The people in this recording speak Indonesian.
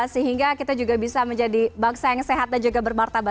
sehingga kita juga bisa menjadi bangsa yang sehat dan juga bermartabat